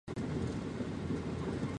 小兜翼蝠属等之数种哺乳动物。